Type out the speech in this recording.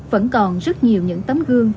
vẫn còn rất nhiều những tấm gương